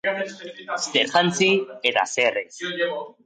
Zer jantzi eta zer ez?